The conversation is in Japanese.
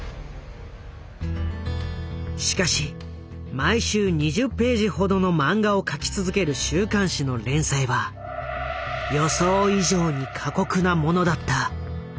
しかし毎週２０ページほどの漫画を描き続ける週刊誌の連載は予想以上に過酷なものだった。